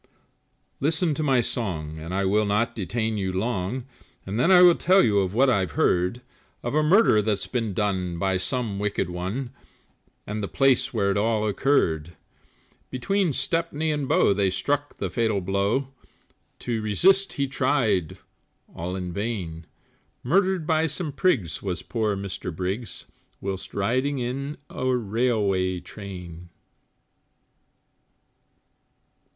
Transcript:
Listen to my song, and I will not detain you long, And then I will tell you of what I've heard. Of a murder that's been done, by some wicked one, And the place where it all occurred; Between Stepney and Bow they struck the fatal blow, To resist he tried all in vain, Murdered by some prigs was poor Mr Briggs Whilst riding in a railway train.